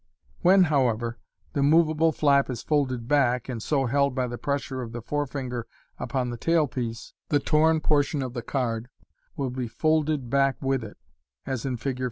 When, however, the moveable flap is folded back, and so held by the pressure of the forefinger upon the tail piece, the torn portion of the card wil) be folded back with it, as in Fig.